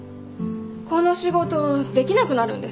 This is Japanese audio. この仕事できなくなるんですよ。